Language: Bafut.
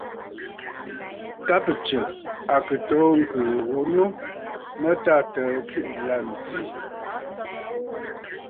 Ta bɨ Tsə̀ à kɨ toò ŋ̀kɨ̀ɨ̀ ghu nu mə tâ təə tsiʼì la nzì.